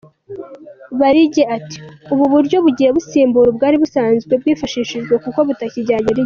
Barigye ati “ Ubu buryo bugiye gusimbura ubwari busanzwe bwifashishwa kuko butakijyanye n’igihe.